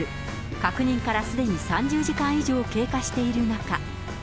確認からすでに３０時間以上経過している中。